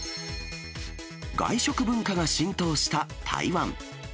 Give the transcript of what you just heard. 外食文化が浸透した台湾。